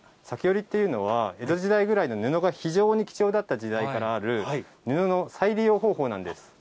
裂き織りっていうのは、江戸時代ぐらいに、布が非常に貴重だった時代からある、布の再利用方法なんです。